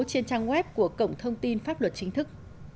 trên trang web của cổng thông tin pháp luật chính thức